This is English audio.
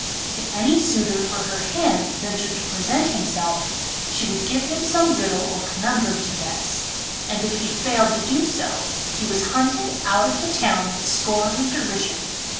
If any suitor for her hand ventured to present himself, she would give him some riddle or conundrum to guess, and if he failed to do so, he was hunted out of the town with scorn and derision.